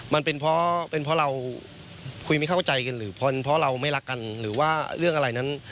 มันเป็นเพราะเป็นเพราะเราคุยไม่เข้าใจกันหรือเพราะเราไม่รักกันหรือว่าเรื่องอะไรนั้น